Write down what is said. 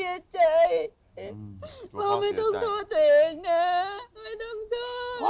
พ่อไม่ต้องโทษตัวเองนะไม่ต้องโทษ